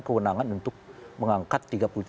kewenangan untuk mengangkat